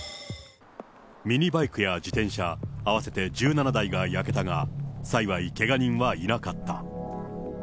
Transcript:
ミニバイクや自転車、合わせて１７台が焼けたが、幸い、けが人はいなかった。